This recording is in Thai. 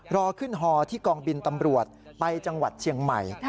รอขึ้นฮอที่กองบินตำรวจไปจังหวัดเชียงใหม่